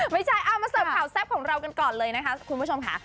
ไม่ใช่เอามาเสิร์ฟข่าวแซ่บของเรากันก่อนเลยนะคะคุณผู้ชมค่ะ